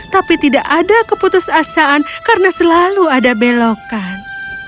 tapi tidak ada keputusasaan karena selalu ada belokan